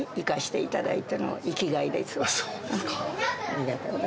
そうですか。